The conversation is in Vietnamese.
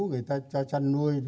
người ta cho chăn nuôi